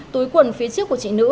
túi quần phía trước của chị nữ